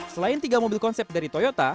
selain tiga mobil konsep dari toyota